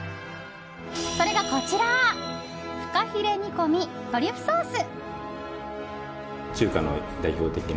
それが、こちらふかひれ煮込みトリュフソース。